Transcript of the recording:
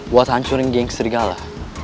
buat hancurin geng serigala